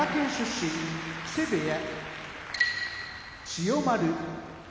身木瀬部屋千代丸